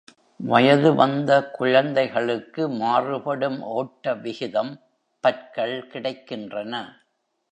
வயது வந்த குழந்தைகளுக்கு மாறுபடும் ஓட்ட விகிதம் பற்கள் கிடைக்கின்றன.